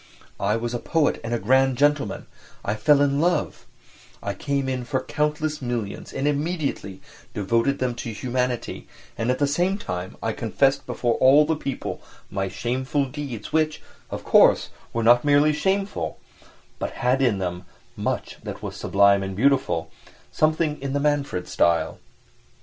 I was a poet and a grand gentleman, I fell in love; I came in for countless millions and immediately devoted them to humanity, and at the same time I confessed before all the people my shameful deeds, which, of course, were not merely shameful, but had in them much that was "sublime and beautiful" something in the Manfred style.